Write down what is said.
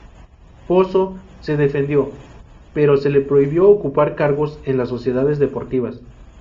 Pozzo se defendió, pero se le prohibió ocupar cargos en las sociedades deportivas.